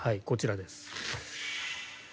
こちらです。